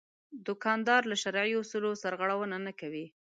دوکاندار له شرعي اصولو سرغړونه نه کوي.